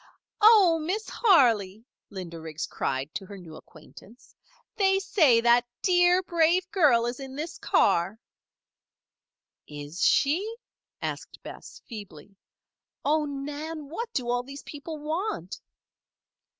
"Oh, Miss Harley!" Linda Riggs cried to her new acquaintance. "They say that dear, brave girl is in this car." "Is she?" asked Bess, feebly. "Oh, Nan! what do all these people want?"